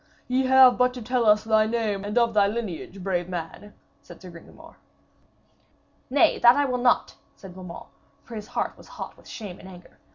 'Ye have but to tell us thy name and of thy lineage, brave man,' said Sir Gringamor. 'Nay, that I will not!' said Beaumains, for his heart was hot with shame and anger.